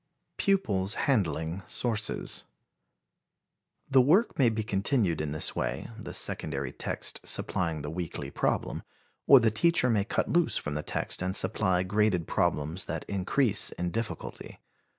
Pupils Handling Sources. The work may be continued in this way, the secondary text supplying the weekly problem, or the teacher may cut loose from the text and supply graded problems that increase in difficulty.